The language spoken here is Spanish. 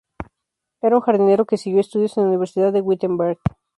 Era un jardinero que siguió estudios en la Universidad de Wittenberg.